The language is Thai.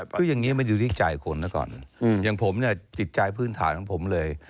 คืออย่างนี้มันอยู่ที่ใจคนนะก่อนอย่างผมเนี่ยจิตใจพื้นฐานของผมเลย